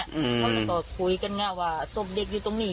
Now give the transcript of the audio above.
เขาก็คุยกันไงว่าศพเด็กอยู่ตรงนี้